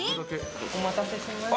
お待たせしました。